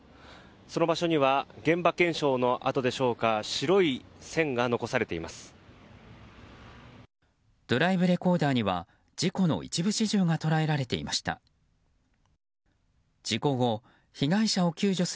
その場所には現場検証の跡でしょうか白い線が残されています。